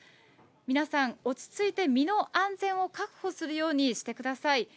皆さん落ち着いて身の安全を確保するようにしてください。